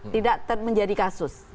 tidak menjadi kasus